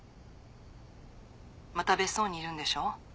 また別荘にいるんでしょ。